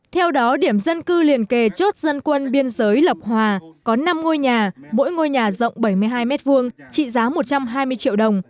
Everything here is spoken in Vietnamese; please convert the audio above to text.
theo đó điểm dân cư liền kề chốt dân quân biên giới lộc hòa có năm ngôi nhà mỗi ngôi nhà rộng bảy mươi hai m hai trị giá một trăm hai mươi triệu đồng